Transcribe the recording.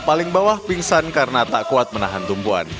paling bawah pingsan karena tak kuat menahan tumbuan